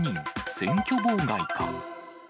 選挙妨害か？